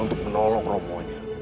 untuk menolong romo